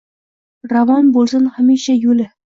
Ravon bulsin hamisha yuli